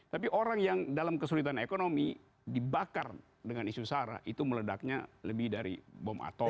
tapi orang yang dalam kesulitan ekonomi dibakar dengan isu sara itu meledaknya lebih dari bom atau